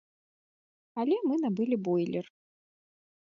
Але мы набылі бойлер.